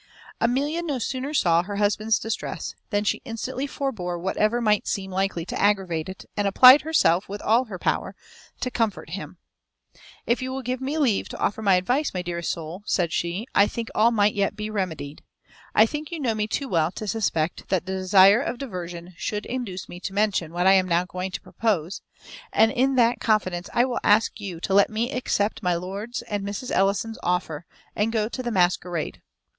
Amelia no sooner saw her husband's distress than she instantly forbore whatever might seem likely to aggravate it, and applied herself, with all her power, to comfort him. "If you will give me leave to offer my advice, my dearest soul," said she, "I think all might yet be remedied. I think you know me too well to suspect that the desire of diversion should induce me to mention what I am now going to propose; and in that confidence I will ask you to let me accept my lord's and Mrs. Ellison's offer, and go to the masquerade.